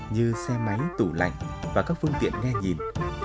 như xe máy tủ lạnh và các phương tiện nghe nhìn